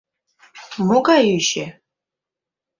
Могай ӱчӧ?